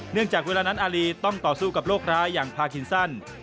จากเวลานั้นอารีต้องต่อสู้กับโรคร้ายอย่างพาคินซัน